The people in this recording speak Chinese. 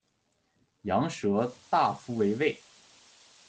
羊舌大夫为尉。